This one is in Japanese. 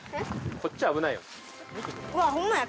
こっちは危ないよ。